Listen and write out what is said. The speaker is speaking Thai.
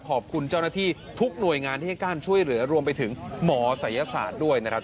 ขอบคุณเจ้าหน้าที่ทุกหน่วยงานที่ให้การช่วยเหลือรวมไปถึงหมอศัยศาสตร์ด้วยนะครับ